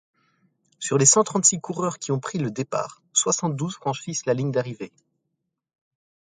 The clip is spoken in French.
Sur les cent-trente-six coureurs qui ont pris le départ, soixante-douze franchissent la ligne d'arrivée.